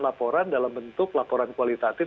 laporan dalam bentuk laporan kualitatif